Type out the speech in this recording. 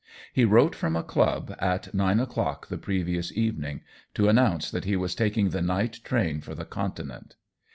He wrote from a club, at nine o'clock the previous evening, to announce that he was taking the night train for the Continent.